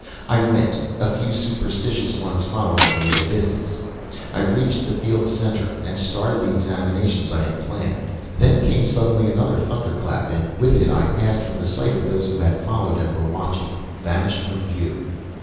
I went, a few superstitious ones following me at a distance. I reached the field's center, and started the examinations I had planned. Then came suddenly another thunderclap and with it I passed from the sight of those who had followed and were watching, vanished from view.